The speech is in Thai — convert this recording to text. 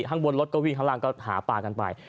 ข้างบนรถก็วิ่งข้างล่างก็หาปลากันไป